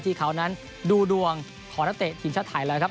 ที่คราวนั้นดูดวงขอตะเตะทีมชาวไทยเลยครับ